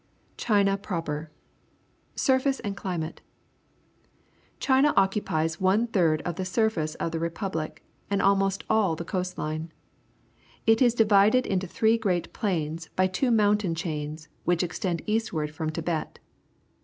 CHINA PROPER Surface and Climate. — China occupies one third of the surface of the Repubhc and al most all the coast line. It is divided into three great plains by two mountain chains, which extend eastward from Tibet.